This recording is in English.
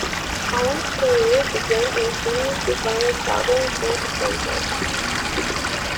Allen's career began in Sidney Desvigne's Southern Syncopators.